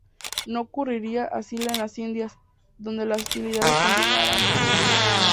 No ocurriría así en las Indias, donde las hostilidades continuarían.